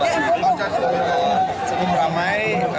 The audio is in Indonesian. dan kondisi pasarnya masih cukup ramai